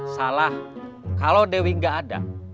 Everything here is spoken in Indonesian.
salah kalau dewi enggak ada